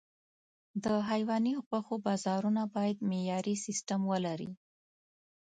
د حيواني غوښو بازارونه باید معیاري سیستم ولري.